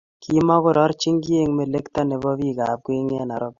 Kimako rerchini kiy eng melekto nebo bikap. Kwen eng Nairobi